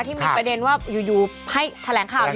ที่มีประเด็นว่าอยู่ให้แถลงข่าวอยู่